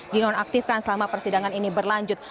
dinonaktifkan selama persidangan ini berlanjut